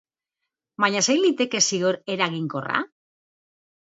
Baina zein liteke zigor eraginkorra?